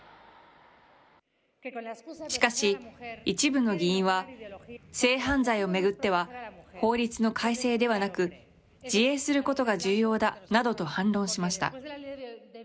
しかし、一部の議員は、性犯罪を巡っては、法律の改正ではなく、自衛することが重要だなどと反論しました。